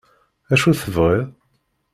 Acu tebɣiḍ?